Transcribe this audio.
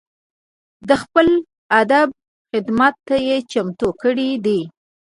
د خپل ادب خدمت ته یې چمتو کړي دي.